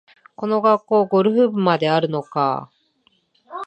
この学校、ゴルフ部まであるのかあ